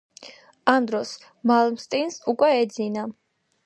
ამ დროს მალმსტინს უკვე ეძინა.